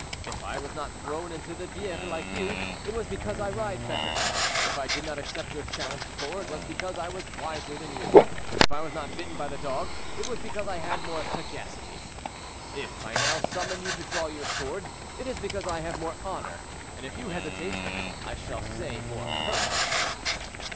If I was not thrown into the Bievre like you, it was because I ride better; if I did not accept your challenge before, it was because I was wiser than you; if I was not bitten by the dog, it was because I had more sagacity; if I now summon you to draw your sword, it is because I have more honor; and if you hesitate, I shall say more courage."